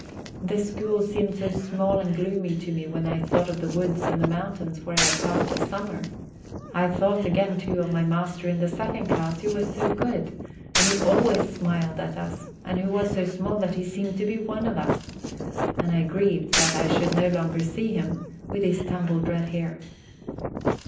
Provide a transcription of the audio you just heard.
The school seemed so small and gloomy to me when I thought of the woods and the mountains where I had passed the summer ! I thought again, too, of my master in the second class, who was so good, and who always smiled at us, and was so small that he seemed to be one of us; and I grieved that I should no longer see him, with his tumbled red hair.